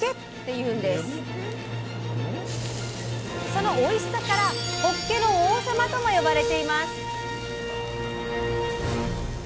そのおいしさから「ほっけの王様」とも呼ばれています。